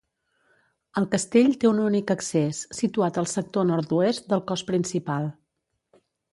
El castell té un únic accés, situat al sector nord-oest del cos principal.